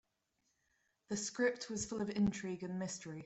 The script was full of intrigue and mystery.